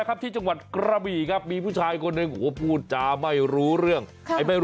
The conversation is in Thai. โอ้โหน่ากลัวนะกลัวอะไรรู้ไหม